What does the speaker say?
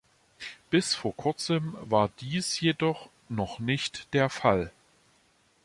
Bis vor kurzem war dies jedoch noch nicht der Fall.